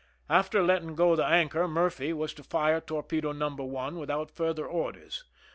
After letting go the anchor. Murphy was to fire torpedo No. 1 without further orders.